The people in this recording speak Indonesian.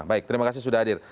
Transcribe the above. baik terima kasih sudah hadir